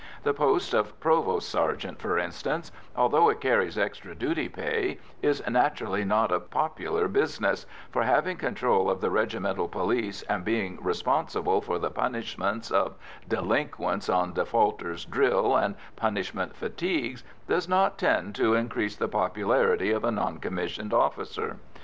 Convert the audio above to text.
The post of provost sergeant, for instance, although it carries extra duty pay, is naturally not a popular business, for having control of the regimental police and being responsible for the punishments of delinquents on defaulters' drill and punishment fatigues does not tend to increase the popularity of a non commissioned officer.